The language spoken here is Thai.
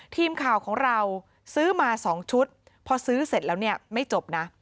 ทีมข่าวของเราซื้อมา๒ชุดพอซื้อเสร็จแล้วเนี่ยไม่จบนะ